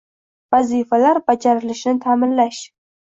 vazifalar bajarilishini ta’minlash;